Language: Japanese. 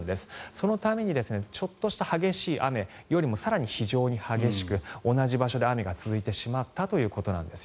そのためにちょっとした激しい雨よりも非常に激しく同じ場所で雨が続いてしまったということなんです。